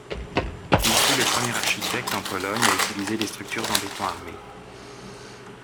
Il fut le premier architecte en Pologne à utiliser des structures en béton armé.